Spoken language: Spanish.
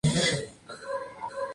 El programa fue popular en Holanda.